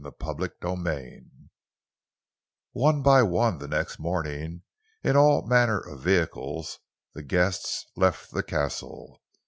CHAPTER XXVIII One by one, the next morning, in all manner of vehicles, the guests left the Castle.